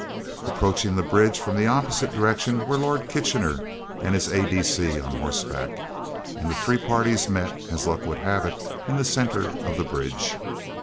Approaching the bridge from the opposite direction were Lord Kitchener and his A.D.C. on horseback, and the three parties met, as luck would have it, in the centre of the bridge.